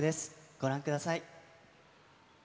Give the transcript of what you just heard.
ご覧ください。